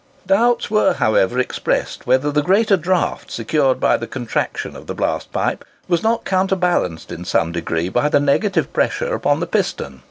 Doubts were, however, expressed whether the greater draught secured by the contraction of the blast pipe was not counterbalanced in some degree by the negative pressure upon the piston.